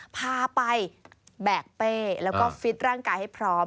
พาไปแบกเป้แล้วก็ฟิตร่างกายให้พร้อม